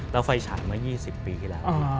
แล้วไฟฉายมา๒๐ปีเท่าระ